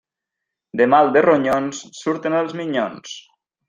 De mal de ronyons surten els minyons.